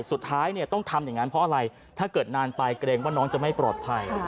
สุดท้ายเนี่ยต้องทำอย่างนั้นเพราะอะไรถ้าเกิดนานไปเกรงว่าน้องจะไม่ปลอดภัย